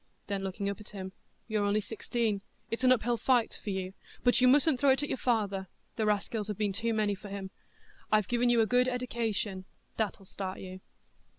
Then looking up at him, "You're only sixteen; it's an up hill fight for you, but you mustn't throw it at your father; the raskills have been too many for him. I've given you a good eddication,—that'll start you."